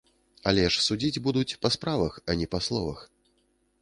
Але ж судзіць будуць па справах, а не па словах.